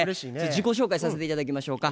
自己紹介させて頂きましょうか。